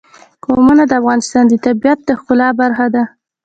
قومونه د افغانستان د طبیعت د ښکلا برخه ده.